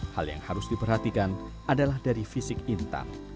hal yang harus diperhatikan adalah dari fisik intan